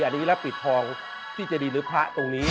อันนี้รับปิดทองที่เจดีหรือพระตรงนี้